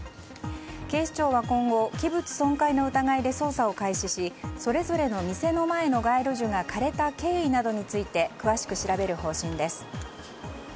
警視庁は今後器物損壊の疑いで捜査を開始しそれぞれの店の前の街路樹が枯れた経緯などについて詳しく調べる方針です。